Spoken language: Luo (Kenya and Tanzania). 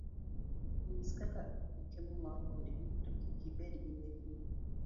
Nyis kaka okimor kodgi, to kik ibed gi mirima.